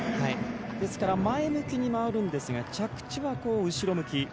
ですから、前向きに回るんですが着地は後ろ向き。